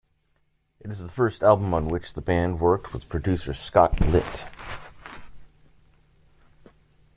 It is the first album on which the band worked with producer Scott Litt.